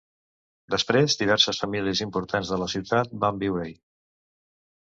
Després, diverses famílies importants de la ciutat van viure-hi.